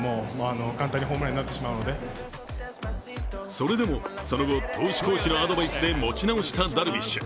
それでも、その後投手コーチのアドバイスで持ち直したダルビッシュ。